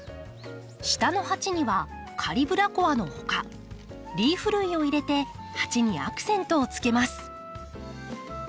下の鉢にはカリブラコアのほかリーフ類を入れて鉢にアクセントをつけます。